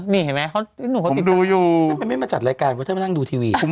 นี่เห็นไหมผมดูอยู่ทำไมไม่มาจัดรายการเพราะฉะนั้นดูทีวี